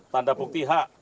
tanda bukti hak